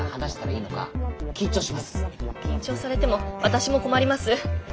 緊張されても私も困ります。